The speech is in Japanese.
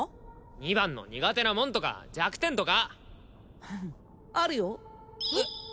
二番の苦手なもんとか弱点とかフフッあるよえっ？